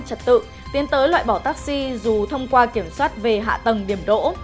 trật tự tiến tới loại bỏ taxi dù thông qua kiểm soát về hạ tầng điểm đỗ